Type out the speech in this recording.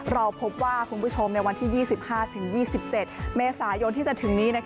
เราพบว่าคุณผู้ชมในวันที่๒๕๒๗เมษายนที่จะถึงนี้